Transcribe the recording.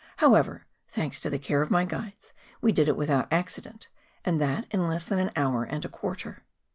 However, thanks to the care of my guides, we did it without accident, and that in less than an hour and a quar¬ ter.